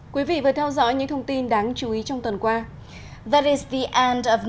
quý vị vừa theo dõi những thông tin đáng chú ý trong tuần qua